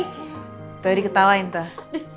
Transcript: tuh jadi ketawain tuh